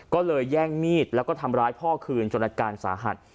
ก็เลยแย่งมีดแล้วก็ทำร้ายพ่อคืนจนอาการสาหัส